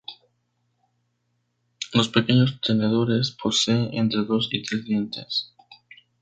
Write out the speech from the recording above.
Los pequeños tenedores poseen entre dos y tres dientes.